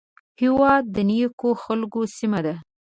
هېواد د نیکو خلکو سیمه ده